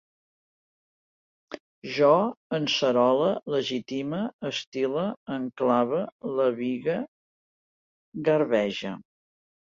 Jo encerole, legitime, estile, enclave, levigue, garbege